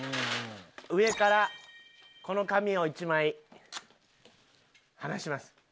上からこの紙を１枚離します。